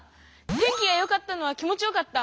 「天気がよかった」のは気もちよかった！